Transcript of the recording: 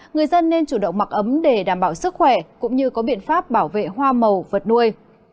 người dân nên chủ động mặc ấm để đảm bảo sức khỏe cũng như có biện pháp bảo vệ hoa màu vật nuôi